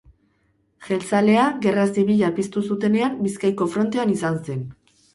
Jeltzalea, Gerra Zibila piztu zutenean, Bizkaiko frontean izan zen.